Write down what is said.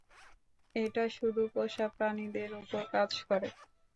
এটা শুধু পোষাপ্রাণীদের ওপর কাজ করে।